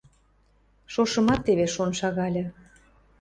Шошымат теве шон шагальы.